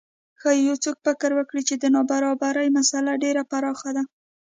ښايي یو څوک فکر وکړي چې د نابرابرۍ مسئله ډېره پراخه ده.